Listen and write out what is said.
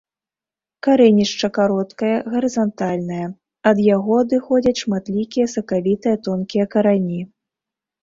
Карэнішча кароткае гарызантальнае, ад яго адыходзяць шматлікія сакавітыя тонкія карані.